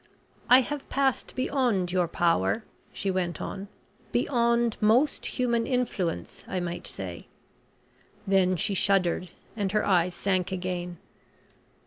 "I have passed beyond your power," she went on. "Beyond most human influence, I might say " then she shuddered and her eyes sank again.